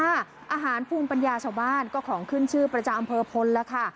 อาหารภูมิปัญญาชาวบ้านก็ของขึ้นชื่อประจำอำเภอพลแล้วค่ะ